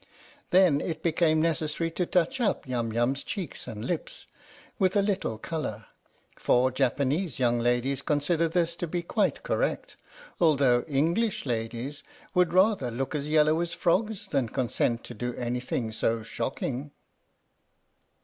Then it became neces sary to touch up Yum Yum's cheeks and lips with a little colour, for Japanese young ladies consider this to be quite correct, although English ladies would rather look as yellow as frogs than consent to do any thing so shocking.